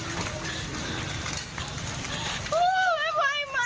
เฮ้ยไปไหม้หลังโน้นแล้วอ่ะ